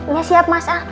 ya siap mas al